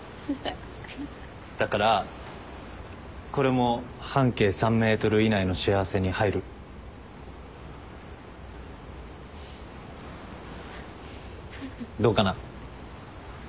だからこれも半径３ｍ以内の幸せに入る？どうかな？